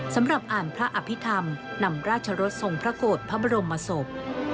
สำหรับอ่านพระอภิษฐรรมนำราชรสทรงพระโกรธพระบรมศพ